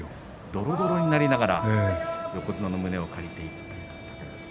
どろどろになりながら横綱の胸を借りています。